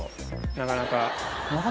なかなか。